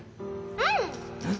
うん！